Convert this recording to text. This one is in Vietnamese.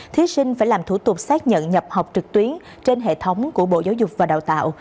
thí sinh phải làm thủ tục xác nhận nhập học trực tuyến trên hệ thống của bộ giáo dục và đào tạo